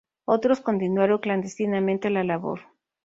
Otros continuaron clandestinamente la labor.